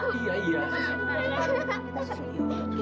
kita susul ibu